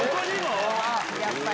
やっぱり。